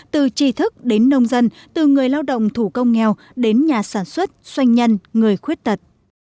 từ tri thức đến nông dân từ người lao động thủ công nghèo đến nhà sản xuất xoanh nhân người khuyết tật